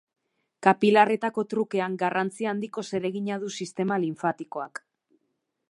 Kapilarretako trukean, garrantzi handiko zeregina du sistema linfatikoak.